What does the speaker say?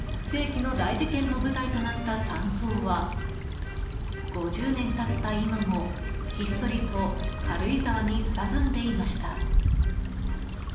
世紀の大事件の舞台となった山荘は、５０年経った今もひっそりと軽井沢にたたずんでいました。